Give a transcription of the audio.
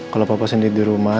kalau papa sendiri di rumah